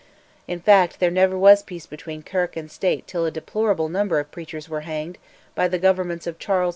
In fact, there never was peace between Kirk and State till a deplorable number of preachers were hanged by the Governments of Charles II.